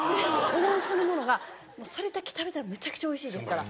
うどんそのものがそれだけ食べたらむちゃくちゃおいしいですから。